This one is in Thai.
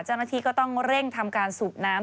เจ้าหน้าที่ก็ต้องเร่งทำการสูบน้ำ